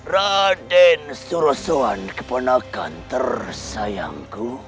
raden surasawan keponakan tersayangku